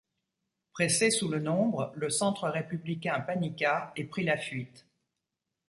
Pressé sous le nombre, le centre républicain paniqua et prit la fuite.